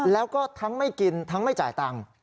แล้วก็ทั้งไม่กินทั้งไม่จ่ายตังค์